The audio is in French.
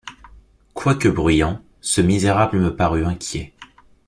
Quoique bruyant, ce misérable me parut inquiet.